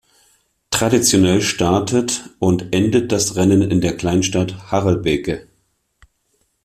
Traditionell startet und endet das Rennen in der Kleinstadt Harelbeke.